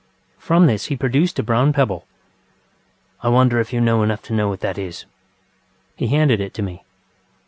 From this he produced a brown pebble. ŌĆ£I wonder if you know enough to know what that is? ŌĆØ He handed it to me.